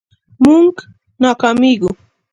مونږ ناکامیږو